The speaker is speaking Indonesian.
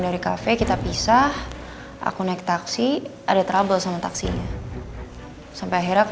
dari kafe kita pisah aku naik taksi ada trouble sama taksinya sampai akhirnya ke